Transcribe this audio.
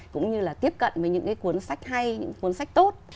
cũng như là tiếp cận với những cái cuốn sách hay những cuốn sách tốt